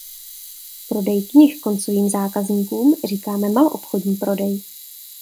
Prodeji knih koncovým zákazníkům říkáme maloobchodní prodej.